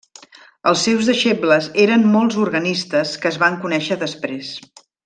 Els seus deixebles eren molts organistes que es van conèixer després.